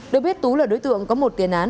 được biết tú là đối tượng có một tiền án